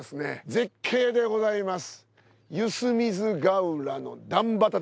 絶景でございます。